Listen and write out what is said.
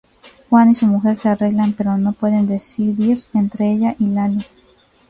Juan y su mujer se arreglan, pero no puede decidir entre ella y Lali.